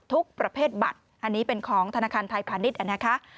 ทุกประเภทบัตรอันนี้เป็นของธนาคารไทยพาณิชย์นะคะ